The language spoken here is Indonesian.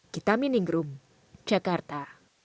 kita miningrum jakarta